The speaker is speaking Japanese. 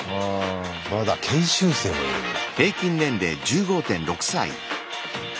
まだ研修生もいるんだ。